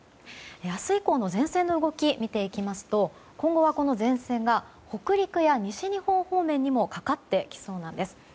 明日以降の前線の動きを見てきますと今後はこの前線が北陸や西日本方面にもかかってきそうなんです。